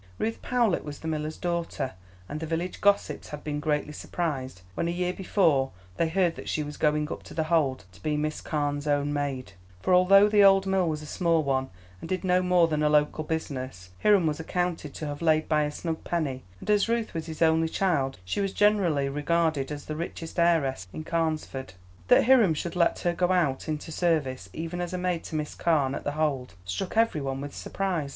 Ruth Powlett was the miller's daughter, and the village gossips had been greatly surprised when, a year before, they heard that she was going up to The Hold to be Miss Carne's own maid; for although the old mill was a small one, and did no more than a local business, Hiram was accounted to have laid by a snug penny, and as Ruth was his only child, she was generally regarded as the richest heiress in Carnesford. That Hiram should then let her go out into service, even as maid to Miss Carne at The Hold, struck every one with surprise.